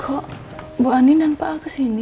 kok bu andinan pak kesini